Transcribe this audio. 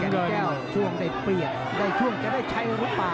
ช่วงจะได้เปรียกช่วงจะได้ใช้หรือเปล่า